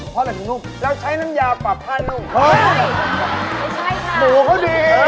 เพราะว่านุ่มแล้วใช้น้ำยาปรับให้นุ่ม